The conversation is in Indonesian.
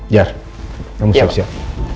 jar kamu siap siap